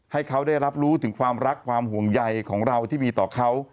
ให้เขาได้รับรู้ถึงความรักความห่วงใยของเราที่มีต่อเขา